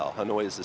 không phải là